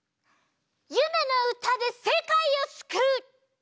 ゆめのうたでせかいをすくう！